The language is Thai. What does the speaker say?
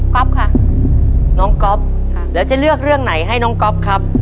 ค่ะน้องก๊อฟค่ะแล้วจะเลือกเรื่องไหนให้น้องก๊อฟครับ